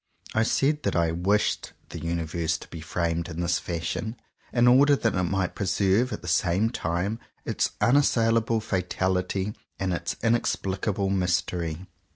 I said that I "wished" the Universe to be framed in this fashion, in order that it might preserve at the same time its unassailable fatality and its in explicable mystery.